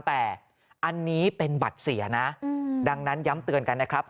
แต่อันนี้เป็นบัตรเสียนะดังนั้นย้ำเตือนกันนะครับ